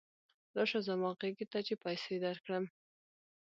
راشه زما غېږې ته چې پیسې درکړم.